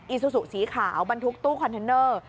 ซูซูสีขาวบรรทุกตู้คอนเทนเนอร์